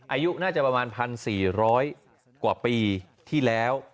อายุน่าจะประมาณ๑๔๐๐กว่าปีที่แล้ว